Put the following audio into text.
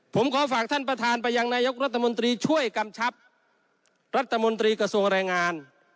ผมขอฝากท่านประธานไปยังนายกรัฐมนตรีช่วยกำชับรัฐมนตรีกระทรวงแรงงาน